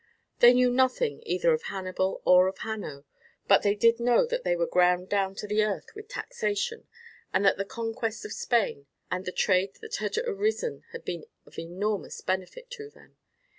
They knew nothing either of Hannibal or of Hanno, but they did know that they were ground down to the earth with taxation, and that the conquest of Spain and the trade that had arisen had been of enormous benefit to them.